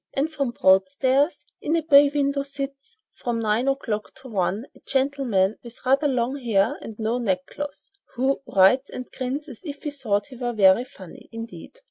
And from Broadstairs: "In a bay window sits, from nine o'clock to one, a gentleman with rather long hair and no neckcloth, who writes and grins as if he thought he were very funny, indeed.